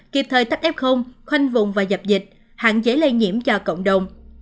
kịp thời tắt f khoanh vùng và dập dịch hạn dế lây nhiễm cho cộng đồng